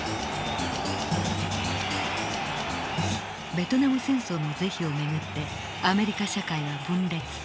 ベトナム戦争の是非を巡ってアメリカ社会は分裂。